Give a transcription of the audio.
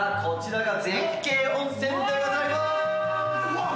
うわっ